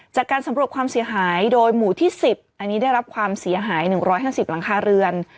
จากการสำรวจความเสียหายโดยหมู่ที่๑๐อันนี้ได้รับความเสียหาย๑๕๐หลังคาเรือน